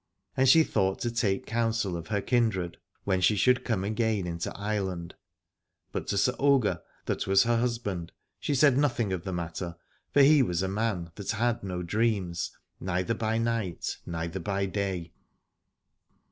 And she thought to take counsel of her kindred, when she should come again into Ireland: but to Sir Ogier, that was her husband, she said nothing of the matter, for he was a man that had no dreams, neither by night, neither by day.